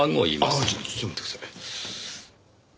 ああちょっと待ってください。